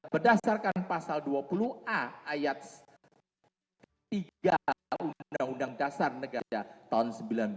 berdasarkan pasal dua puluh a ayat tiga undang undang dasar negara tahun seribu sembilan ratus empat puluh lima